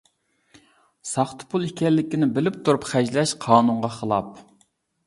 ساختا پۇل ئىكەنلىكىنى بىلىپ تۇرۇپ خەجلەش قانۇنغا خىلاپ.